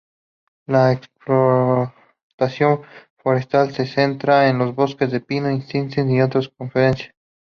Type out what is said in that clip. La explotación forestal se centra en los bosques de pino insignis y otras coníferas.